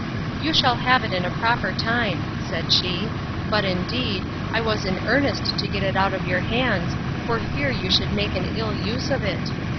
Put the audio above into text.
You shall have it in a proper time, said she; but, indeed, I was in earnest to get it out of your hands, for fear you should make an ill use of it.